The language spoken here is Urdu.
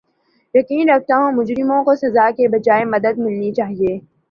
یقین رکھتا ہوں کہ مجرموں کو سزا کے بجاے مدد ملنی چاھیے